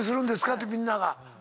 ってみんなが。